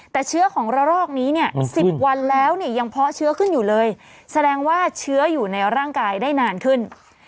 แต่เชื้อของระรอกนี้เนี่ย๑๐วันแล้วเนี่ยยังเพาะเชื้อขึ้นอยู่เลยแสดงว่าเชื้ออยู่ในร่างกายได้นานขึ้น